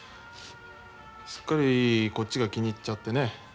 すっかりこっちが気に入っちゃってね。